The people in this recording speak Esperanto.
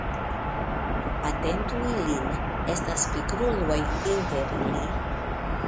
Atentu ilin; estas pigruloj inter ili.